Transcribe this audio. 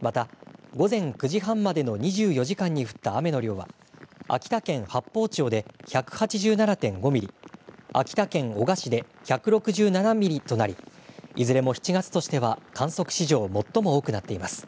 また午前９時半までの２４時間に降った雨の量は秋田県八峰町で１８７．５ミリ、秋田県男鹿市で１６７ミリとなりいずれも７月としては観測史上、最も多くなっています。